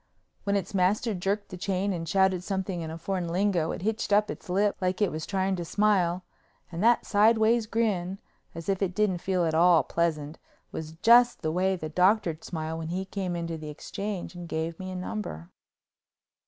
When its master jerked the chain and shouted something in a foreign lingo it hitched up its lip like it was trying to smile, and that sideways grin, as if it didn't feel at all pleasant, was just the way the Doctor'd smile when he came into the Exchange and gave me a number.